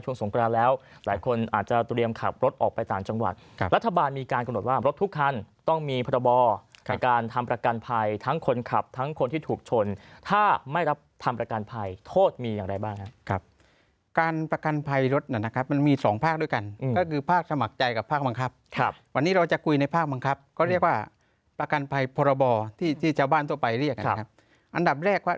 หลายคนอาจจะเตรียมขับรถออกไปต่างจังหวัดรัฐบาลมีการกำหนดว่ารถทุกคันต้องมีพระบอในการทำประกันภัยทั้งคนขับทั้งคนที่ถูกชนถ้าไม่รับทำประกันภัยโทษมีอย่างไรบ้างครับการประกันภัยรถมันมีสองภาคด้วยกันก็คือภาคสมัครใจกับภาคบังคับวันนี้เราจะคุยในภาคบังคับก็เรียกว่า